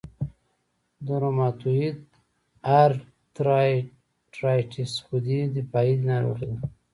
د روماتویید ارترایټرایټس خودي دفاعي ناروغي ده.